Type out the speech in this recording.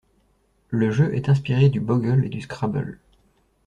Le jeu est inspiré du Boggle et du Scrabble.